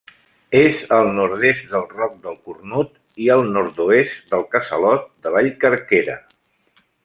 És al nord-est del Roc del Cornut i al nord-oest del Casalot de Vallcàrquera.